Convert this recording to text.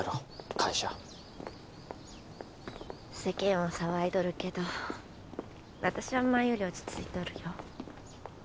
会社世間は騒いどるけど私は前より落ち着いとるよ